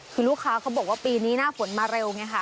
คือลูกค้าเขาบอกว่าปีนี้หน้าฝนมาเร็วไงค่ะ